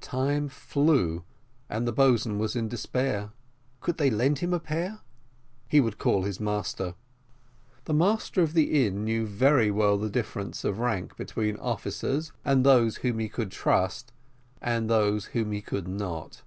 Time flew, and the boatswain was in despair. "Could they lend him a pair?" "He would call his master." The master of the inn knew very well the difference of rank between officers, and those whom he could trust and those whom he could not.